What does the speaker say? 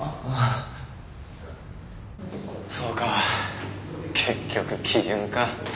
そうか結局基準か。